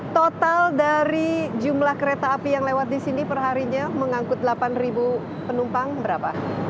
total dari jumlah kereta api yang lewat di sini perharinya mengangkut delapan penumpang berapa